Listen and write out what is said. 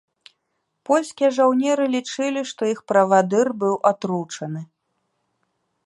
Польскія жаўнеры лічылі, што іх правадыр быў атручаны.